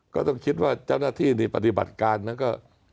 ก็ต้องคิดว่าเจ้าหน้าที่นี่ปฏิบัติการนั้นก็